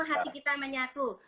hati kita menyatu